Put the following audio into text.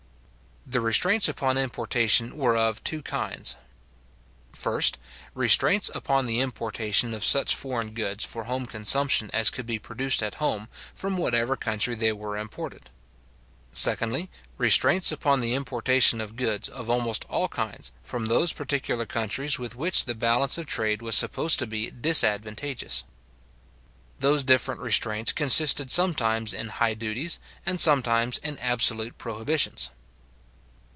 The restraints upon importation were of two kinds. First, restraints upon the importation of such foreign goods for home consumption as could be produced at home, from whatever country they were imported. Secondly, restraints upon the importation of goods of almost all kinds, from those particular countries with which the balance of trade was supposed to be disadvantageous. Those different restraints consisted sometimes in high duties, and sometimes in absolute prohibitions.